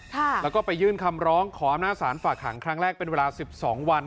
ค่ะแล้วก็ไปยื่นคำร้องขออำนาจศาลฝากหางครั้งแรกเป็นเวลาสิบสองวัน